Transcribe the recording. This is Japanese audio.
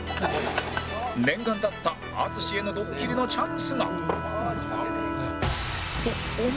念願だった淳へのドッキリのチャンスが